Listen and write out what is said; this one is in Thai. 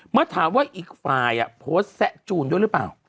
เมื่อถามว่าอีกฝ่ายโพสต์แซะจูนด้วยหรือเปล่า